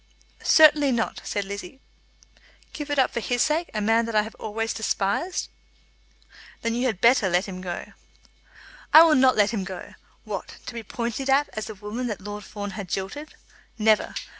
"Certainly not," said Lizzie. "Give it up for his sake, a man that I have always despised?" "Then you had better let him go." "I will not let him go. What, to be pointed at as the woman that Lord Fawn had jilted? Never!